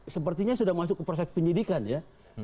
sepertinya sudah masuk ke proses penyidikan ya